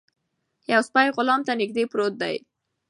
یو سپی غلام ته نږدې پروت دی.